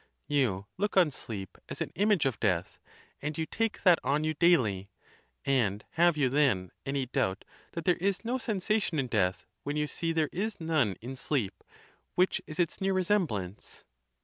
You look on sleep as an image of death, and you take that on you daily ; and have you, then, any doubt that there is no sen sation in death, when you see there is none in sleep, which is its near resemblance